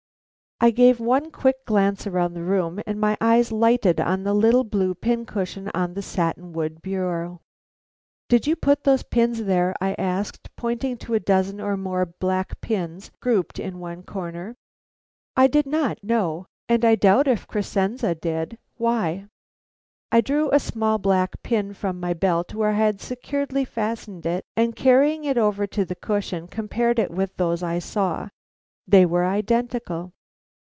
I gave one quick glance around the room, and my eyes lighted on the little blue pin cushion on the satin wood bureau. "Did you put those pins there?" I asked, pointing to a dozen or more black pins grouped in one corner. "I did not, no; and I doubt if Crescenze did. Why?" I drew a small black pin from my belt where I had securely fastened it, and carrying it over to the cushion, compared it with those I saw. They were identical.